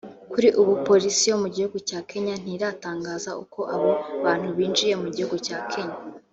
Kuri ubu Polisi yo mu gihugu cya Kenya ntiratangaza uko abo bantu binjiye mu gihugu cya Kenya